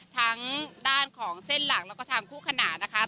ทางด้านของเส้นหลักแล้วก็ทางคู่ขนานนะคะ